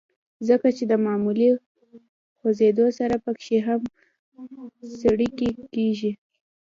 ځکه چې د معمولي خوزېدو سره پکښې هم څړيکې کيږي